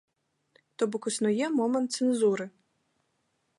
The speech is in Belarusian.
То бок існуе момант цэнзуры.